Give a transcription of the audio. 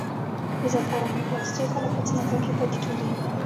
د زعفرانو پیاز څو کاله په ځمکه کې پاتې کیږي؟